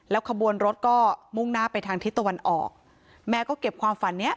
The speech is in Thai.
ขบวนรถก็มุ่งหน้าไปทางทิศตะวันออกแม่ก็เก็บความฝันเนี้ย